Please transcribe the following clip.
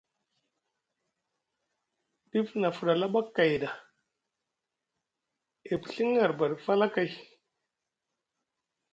Dif nʼa fuɗa laɓa kay ɗa, e piɵiŋ arbaɗi falakay.